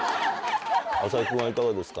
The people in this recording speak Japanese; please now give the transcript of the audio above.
麻木君はいかがですか？